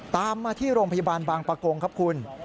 ตามมาที่โรงพยาบาลบางประกงครับคุณ